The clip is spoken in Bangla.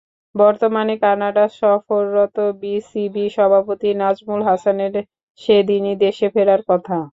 বর্তমানে কানাডা সফররত বিসিবি সভাপতি নাজমুল হাসানের সেদিনই দেশে ফেরার কথা।